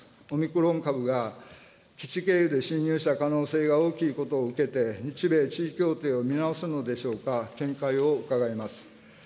オミクロン株が基地経由で侵入した可能性が大きいことを受けて、日米地位協定を見直すのでしょうか、見解を伺います。